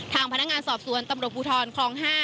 ทางพนักงานสอบสวนตำรวจภูทรคลอง๕